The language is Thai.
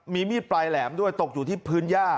มีมีดปลายแหลมด้วยตกอยู่ที่พื้นย่า